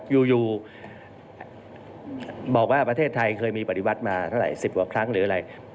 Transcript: อยู่บอกว่าประเทศไทยเคยมีปฏิวัติมาก็ไหนสิบครั้งหรืออะไร